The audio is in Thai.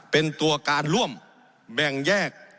เป็นตัวการร่วมแบ่งแยก